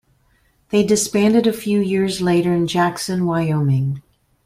They disbanded a few years later in Jackson, Wyoming.